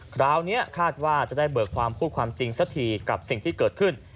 คราวนี้คาดว่าจะได้เบิกความพูดความจริงสักทีกับสิ่งที่เกิดขึ้น